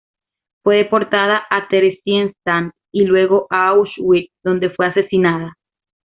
Fue deportada a Theresienstadt y luego a Auschwitz donde fue asesinada.